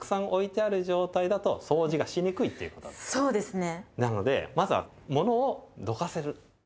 そうですね。